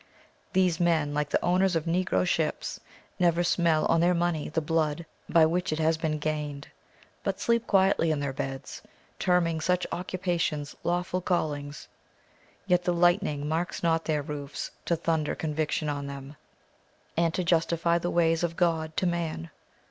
These men, like the owners of negro ships, never smell on their money the blood by which it has been gained, but sleep quietly in their beds, terming such occupations lawful callings; yet the lightning marks not their roofs to thunder conviction on them "and to justify the ways of God to man."